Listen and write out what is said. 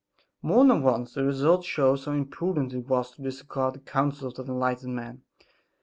More than once the result shows how imprudent it was to disregard the counsels of that enlightened man.